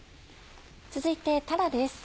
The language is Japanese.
続いてたらです。